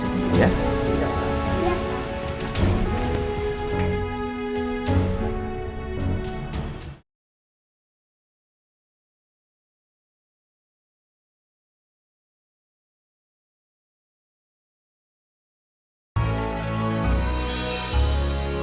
papa kesini dulu ya